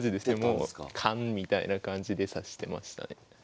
勘みたいな感じで指してましたね。